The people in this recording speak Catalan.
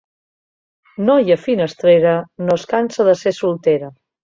Noia finestrera no es cansa d'ésser soltera.